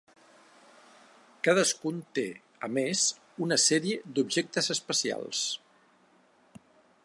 Cadascun té, a més, una sèrie d'objectes especials.